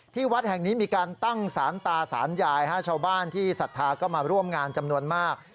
วัดแห่งนี้มีการตั้งสารตาสารยายชาวบ้านที่ศรัทธาก็มาร่วมงานจำนวนมาก